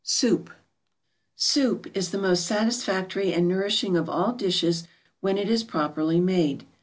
SOUPS. =Soup= is the most satisfactory and nourishing of all dishes when it is properly made.